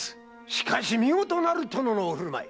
しかし見事なる殿のお振る舞い。